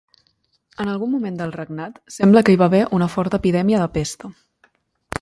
En algun moment del regnat sembla que hi va haver una forta epidèmia de pesta.